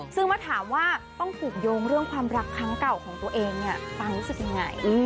ซึ่งเมื่อถามว่าต้องผูกโยงเรื่องความรักครั้งเก่าของตัวเองเนี่ยปังรู้สึกยังไง